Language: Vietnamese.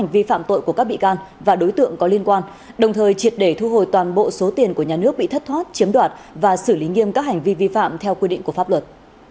vi phạm tội của các bị can và đối tượng có liên quan đồng thời triệt để thu hồi toàn bộ số tiền của nhà nước bị thất thoát chiếm đoạt và xử lý nghiêm các hành vi vi phạm theo quy định của pháp luật